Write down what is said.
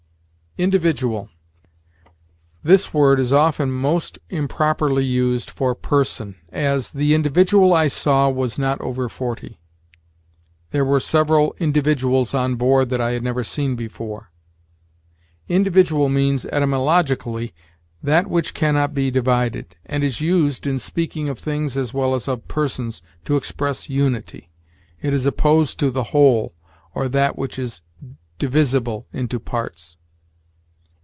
INDIVIDUAL. This word is often most improperly used for person; as, "The individual I saw was not over forty"; "There were several individuals on board that I had never seen before." Individual means, etymologically, that which can not be divided, and is used, in speaking of things as well as of persons, to express unity. It is opposed to the whole, or that which is divisible into parts.